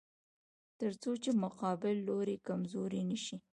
تر څو چې مقابل لوری کمزوری نشي.